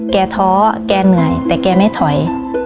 ท้อแกเหนื่อยแต่แกไม่ถอย